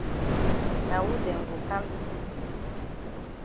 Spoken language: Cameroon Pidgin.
Na wu dem go kam dis meetin?